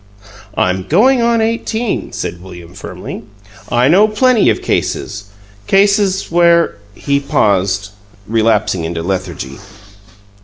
"I'm going on eighteen," said William, firmly. "I know plenty of cases cases where " He paused, relapsing into lethargy.